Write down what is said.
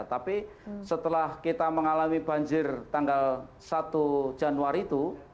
tapi setelah kita mengalami banjir tanggal satu januari itu